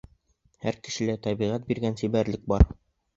Һәр кешелә тәбиғәт биргән сибәрлек бар.